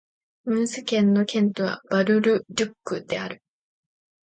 ムーズ県の県都はバル＝ル＝デュックである